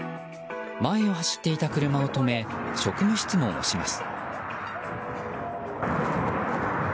前を走っていた車を止め職務質問をします。